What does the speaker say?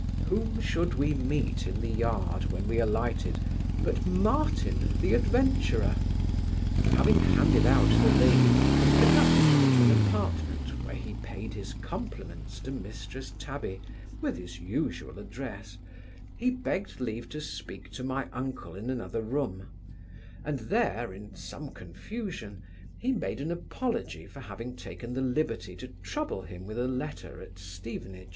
Whom should we meet in the yard, when we alighted, but Martin the adventurer? Having handed out the ladies, and conducted them into an apartment, where he payed his compliments to Mrs Tabby, with his usual address, he begged leave to speak to my uncle in another room; and there, in some confusion, he made an apology for having taken the liberty to trouble him with a letter at Stevenage.